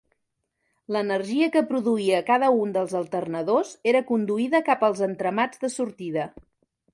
L'energia que produïa cada un dels alternadors, era conduïda cap als entramats de sortida.